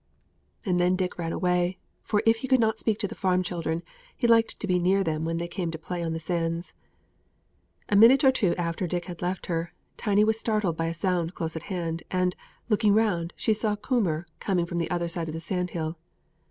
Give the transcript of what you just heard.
And then Dick ran away, for if he could not speak to the farm children, he liked to be near them when they came to play on the sands. A minute or two after Dick had left her, Tiny was startled by a sound close at hand, and, looking round, she saw Coomber coming from the other side of the sandhill.